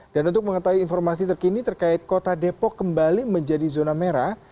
dan untuk mengetahui informasi terkini terkait kota depok kembali menjadi zona merah